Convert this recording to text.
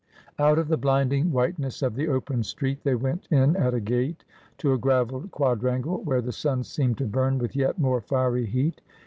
" Out of the blinding whiteness of the open street they went in at a gate to a gravelled quadrangle, where the sun seemed to burn with yet more fiery heat.